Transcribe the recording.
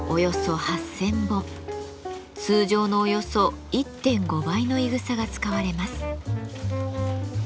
通常のおよそ１．５倍のいぐさが使われます。